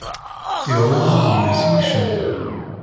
Iɣumm udem-is i icemten